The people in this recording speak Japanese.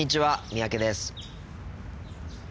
三宅です。